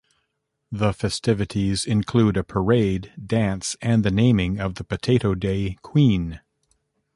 The festivities include a parade, dance, and the naming of the Potato Day Queen.